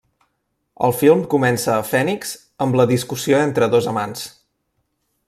El film comença a Phoenix amb la discussió entre dos amants.